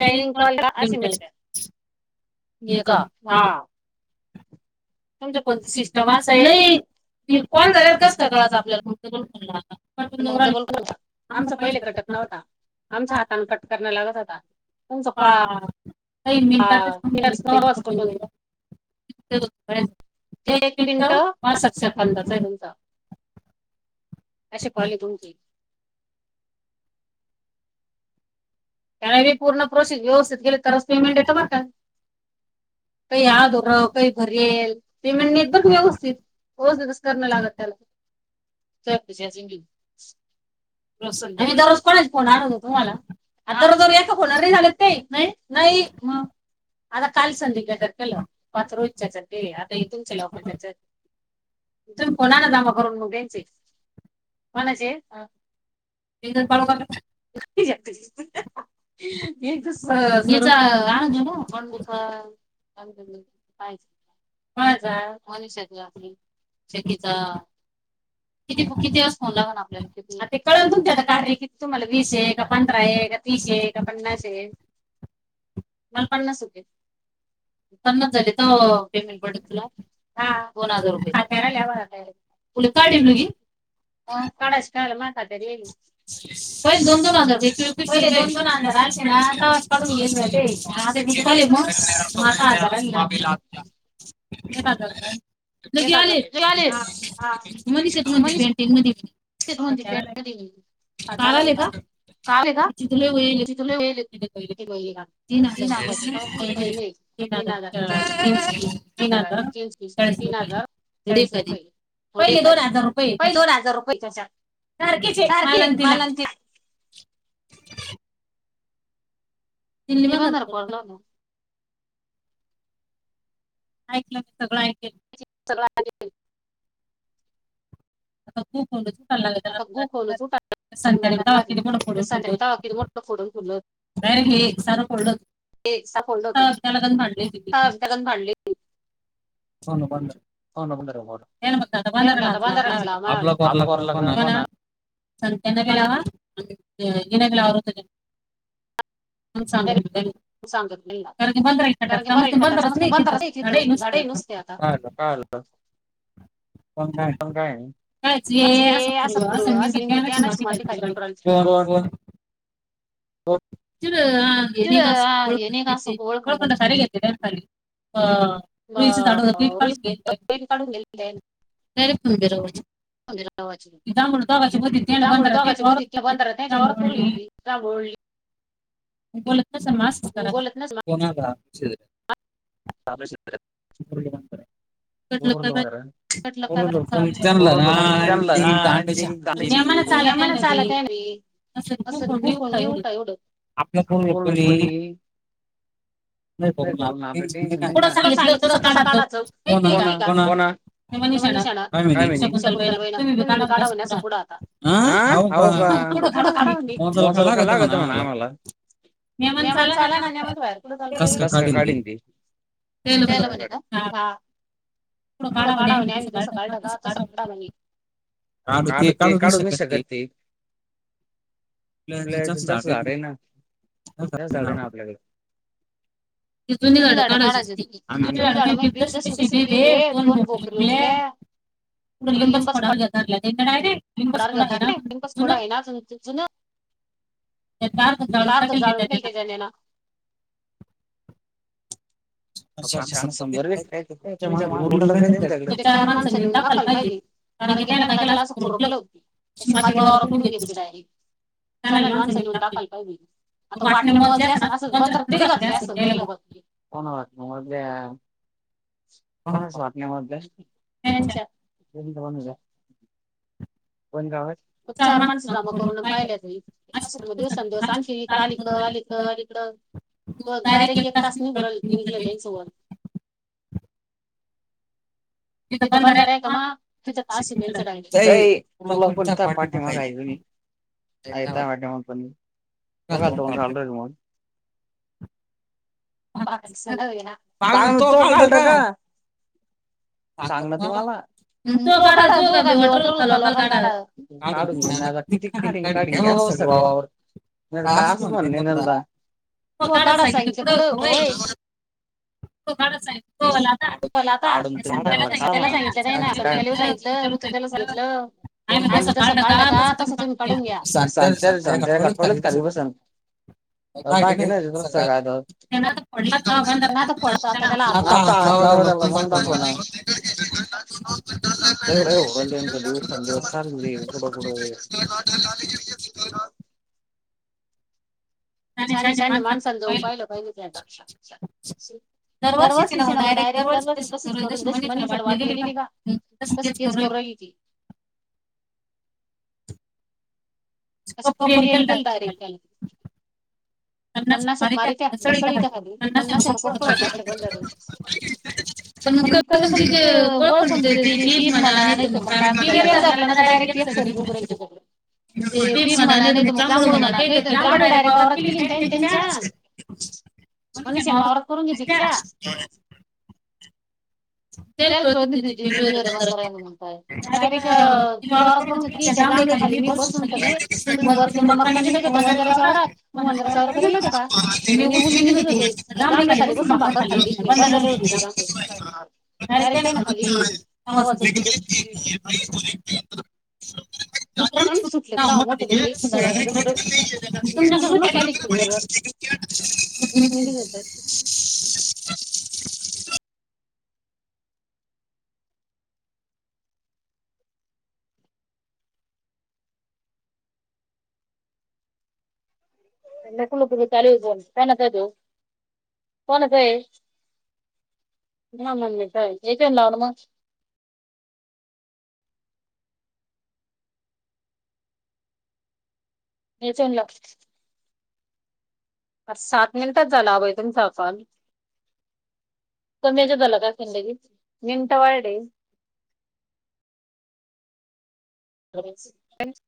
[unintelligible] Call का अशी [unintelligible] हे का हां पण सिस्टम असा आहे की फोन कराल कस [unintelligible] आपल्याला फोन [unintelligible] मग डब्बल खर्चा, आमचा पहिले कटत नव्हता आमच्या हातान कट करण्या लागत होता. हा काही मिनिटांतच [unintelligible] एक मिनिटं [unintelligible] बंदच आहे तुमचा. असे कॉल आहे तुमचे. त्याला बी पूर्ण प्रोषिक व्यवस्थित केेले तरच पेमेंट येतं बरं का. काही आधोर काही भरेल पेमेंट नाही येत बरं का व्यवस्थित. हो तसंच करणं लागत त्याला [unintelligible] रोज संध्याकाळी, आणि दररोज कोणाच फोन आणतो तुम्हाला? आता [unintelligible] झालेत ते नाही नाही मग आता काल संधी त्याच्यावर केलं पाच रोज त्याच्यात केले आता तुमच्या लवक त्याच्यात. इथून कोणाला जमा करून मुघ्यांचे कोणाचे? एक जण [unintelligible] [unintelligible] [unintelligible] आजोबा [unintelligible] [unintelligible] पाहिजे. कोणाचा मनीषाच्या [unintelligible] शेकीचा. किती किती अस फोन लागव ना आपल्या ते कळलं तुमचे आता कार्य कि मला वीस आहे, का पंधरा आहे, का तीस आहे, का पन्नास आहे, मला पन्नास पन्नास झाले तवा पेमेंट पडतला. हां दोन हजार रुपये, सात्या राहिल्या बघा [unintelligible] [unintelligible] काडाच खला माका तरी येइल. पहिले दोन दोन हजार [unintelligible] पहिले दोन दोन हजार आलते ना तवाच काढून घेतलं ते. [unintelligible] [unintelligible] [unintelligible] लगे आले हा मनिशाची मम्मी पेंटिंग मध हटालाला काम आहे का त तुला वेलेत का तीन तन तीन हजार चाळीस रुपये देता पहिले दोन हजार रुपये त्याच्यात सारखीच आहे मालान तीला जिवा नर पडल ना ऐकलं मी सगळं ऐकल सगळवाले आ तूप्याडून ठ हो फो फु नाहीरे हे सारं पोललं त्यालाण भांडली तिती त्या कााडली सण बण हो नग पार आप सग त्यांना ग लावा ये न लाव हो हा सांग ला कारण की बरंटा समजते बंद तथं घडे नुसते आता हा हो काा कायच असं कर संगी घेते माती त हाे मा उळक सर घतीर खाु काून घ काढून गेलेले खर खंदरव जांबळ दघशी बध ते बधांबली [unintelligible] का बोली? मी बोलत नसताना मग असच करा. चालूचे. र बतर [inaudible] [unintelligible] ते आम्हाला चालतंय ना ते. [unintelligible] कुठ सांगितलं? कस काडाच माहिती का? कोणा? मष काकंतल ब तुम्ही का पु का [unintelligible] मजल खालागत म्हणा आम्हाला [unintelligible] ममन चाला नास काढी [unintelligible] ठलं म्ह हा [unintelligible] पुढं काढाव नाही आम्थ सकाळ ाका आता सकाळ ढाबाली [unintelligible] काढू ते काढू नाई शकत ते. आपल्या इथच जास्त झाड आहे ना, जास्त झाड आहे ना आपल्याकडे. जुनी झाडं काडाचीच ती. टड सु सडीे फोन बतर [unintelligible] पू लिंबस पड गला त डयरेट [unintelligible] ड गार सिपस कोड आहे नाु जुून [unintelligible] त्याार जाळून टा त्याना [unintelligible] त्याने ना आपण शाहन [unintelligible] छान समजर् घय तुमच्या माग उरलं चार माणसंऊनाल पाहिजे कारण की त्याने काय केलं असं खूरपल अशी माती वावरात उडून घेतली डायरेक्ट. चांल वान सनी नऊन दाकाल कायल [unintelligible] आता वाटण्या मोजल्या असन अस बंदरात थोडीच घातली असन त्याही लोकांनी. कोण वाात नाही कोणच वाट [unintelligible] त्यांच्या. त्यांच्या कुणाच्या? कोण गावात चार माणस जमा करून पाहिल्यात मी अस तर मग दिवसांंदिवस आणखी इकडं अलीकडं-अलीकड-अलीकडं. बघ डायरेक्ट एक तास निघुन राहील निघल त्याचं वर. तिथं बंदार आहे का म तिथं तास शिकेयचं डांंग [unintelligible] कोण तुह्या पाठिमागं हाये कुणी हाये तुह्या पाठीमागं कुणी का दन का [unintelligible] [unintelligible] सांग ना तु मला? [unintelligible] [unintelligible] [inaudible] त्याला सांगित नाही ना स सांगितलं ऋतला सांगितलं [unintelligible] आम्ही जसं काढलं का तसं तुम्ही काढून घ्या. [unintelligible] सत्या संत्या कावलेत कधी बस बाकीे नाही स काय [unintelligible] [inaudible] आ पडत आता त्याता ह लाव [unintelligible] [inaudible] [inaudible] शहाणे-शहाणे माणसानं जाऊन पाहिलं पाहिजे ते आता. दरवर्षीच नव्ह डायरेक्ट दरवर्षी तसच करल, जशी मनीषला वाटणी दिली का तसं तेच करून राहिली ती. पूर न खेलणार आहे [unintelligible] [inaudible] [unintelligible] पण कध पण तिथे ळखण फिर ना ना नाही मग कायरात ना डायरेक्ट [inaudible] त मना नाही मम मु मना का डयरेट क केली [inaudible] मनिषानं वावरात करून घेतली चा [unintelligible] की त्या जांभळी खाली मी बसून सगळे तू बग तिकडे मक्का निंदत होता वंधरा सववरात तू वंधरा सववर करयल होते का ऊस निंदत होते त्या जांभळी खाली बसून भाकर खाल्ली होती मी बंधाले होती ती जांभळी [unintelligible] [unintelligible] कठ [unintelligible] [inaudible] नको नको मी तुझ चाले कोणचाय? त्यो कोणाचय? [unintelligible] याच्यावून लाव ना म याच्यावून लाव सात मिनिटात झाला अभै तूमचा कुल कमी ह्याच्यात झाला काय [unintelligible] मिनटं वाढले हो त्यां [unintelligible] [inaudible]